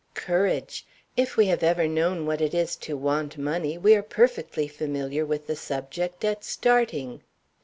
Courage! If we have ever known what it is to want money we are perfectly familiar with the subject at starting.